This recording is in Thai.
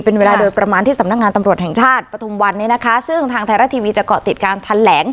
เป็นเวลาโดยประมาณที่สำนักงานตำรวจแห่งชาติปฐุมวันเนี่ยนะคะซึ่งทางไทยรัฐทีวีจะเกาะติดการทันแหลง